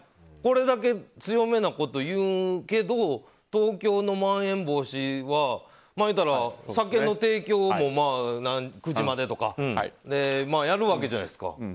これだけ強めなことを言うけど東京のまん延防止は、言うたら酒の提供も９時までとかやるわけじゃないですか。